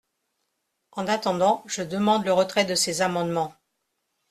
En attendant, je demande le retrait de ces amendements.